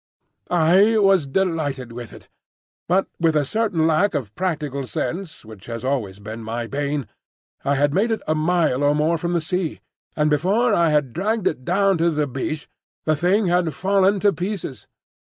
I was delighted with it. But with a certain lack of practical sense which has always been my bane, I had made it a mile or more from the sea; and before I had dragged it down to the beach the thing had fallen to pieces.